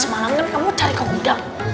semalam kan kamu cari ke gudang